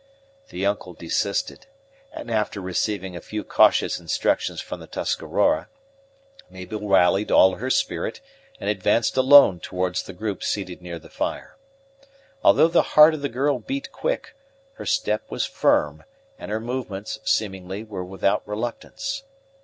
The uncle desisted; and, after receiving a few cautious instructions from the Tuscarora, Mabel rallied all her spirit, and advanced alone towards the group seated near the fire. Although the heart of the girl beat quick, her step was firm, and her movements, seemingly, were without reluctance.